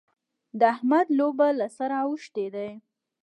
د احمد اوبه له سره اوښتې دي.